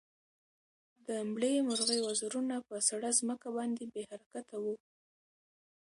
د مړې مرغۍ وزرونه په سړه ځمکه باندې بې حرکته وو.